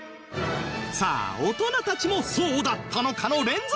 さあ大人たちもそうだったのかの連続